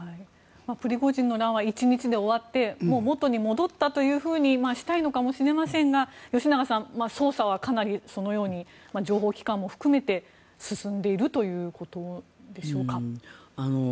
プリゴジンの乱は１日で終わって元に戻ったというふうにしたいのかもしれませんが吉永さん、捜査はかなりそのように情報機関も含めて進んでいるということでしょうか。